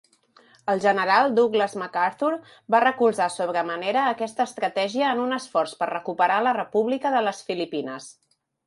El General Douglas MacArthur va recolzar sobre manera aquesta estratègia en un esforç per recuperar la República de les Filipines.